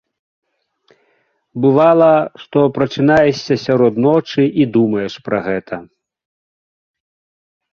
Бывала, што прачынаешся сярод ночы і думаеш пра гэта.